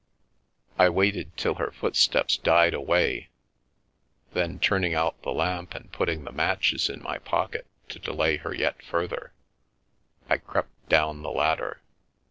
I waited till her footsteps died away, then, turning out the lamp and putting the matches in my pocket to delay her yet further, I crept down the ladder.